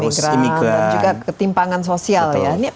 arus imigran dan juga ketimpangan sosial ya